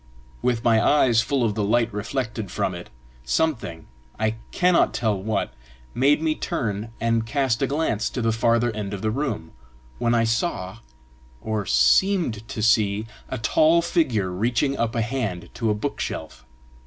With my eyes full of the light reflected from it, something, I cannot tell what, made me turn and cast a glance to the farther end of the room, when I saw, or seemed to see, a tall figure reaching up a hand to a bookshelf.